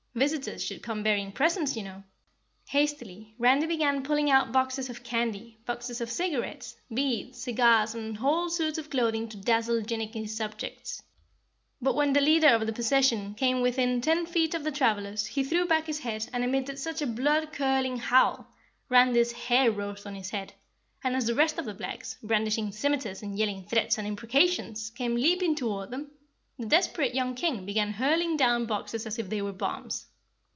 Visitors should come bearing presents, you know!" Hastily Randy began pulling out boxes of candy, boxes of cigarettes, beads, cigars and whole suits of clothing to dazzle Jinnicky's subjects. But when the leader of the procession came within ten feet of the travelers he threw back his head and emitted such a blood curdling howl, Randy's hair rose on his head, and as the rest of the blacks, brandishing scimiters and yelling threats and imprecations, came leaping toward them, the desperate young King began hurling down boxes as if they were bombs.